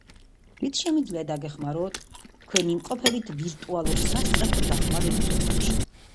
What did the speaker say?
რით შემიძლია დაგეხმაროთ? თქვენ იმყოფებით ვირტუალურ სასწრაფო დახმარების ოთახში.